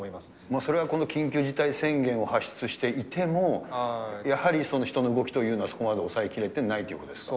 それは、この緊急事態宣言を発出していても、やはりその人の動きというのは、そこまで抑えきれてないということですか？